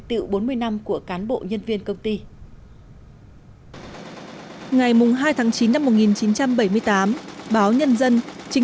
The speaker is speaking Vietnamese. tiệu bốn mươi năm của cán bộ nhân viên công ty ngày hai tháng chín năm một nghìn chín trăm bảy mươi tám báo nhân dân trình